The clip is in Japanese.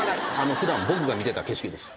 普段僕が見てた景色です。